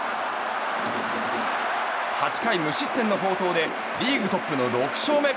８回無失点の好投でリーグトップの６勝目。